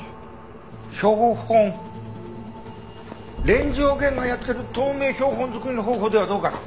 連城源がやってる透明標本作りの方法ではどうかな？